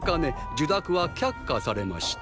受諾は却下されました。